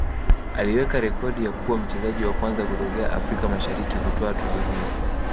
aliweka rekodi ya kuwa mchezaji wa kwanza kutokea Afrika Mashariki kutwaa tuzo hiyo